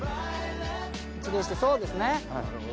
一礼してそうですね。